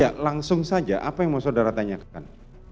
ya langsung saja apa yang mau saudara tanyakan